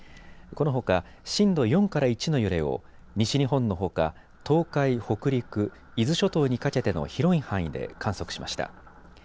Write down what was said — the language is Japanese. このほか震度４から１の揺れを西日本のほか、東海、北陸、伊豆諸島にかけての広い範囲で観測しました。